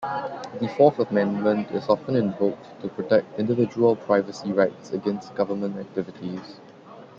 The Fourth Amendment is often invoked to protect individual privacy rights against government activities.